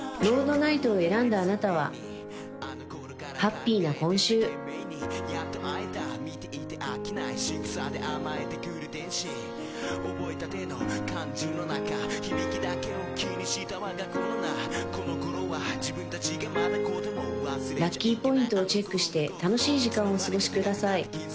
ナイトを選んだあなたはハッピーな今週ラッキーポイントをチェックして楽しい時間をお過ごしください